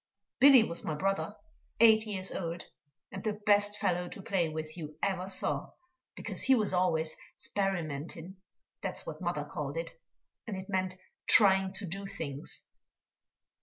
Billy was my brother, eight years old, and the best fellow to play with you ever saw, because he was always "sperimentin" that's what mother called it, and it meant trying to do things.